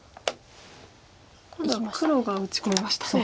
今度は黒が打ち込みましたね。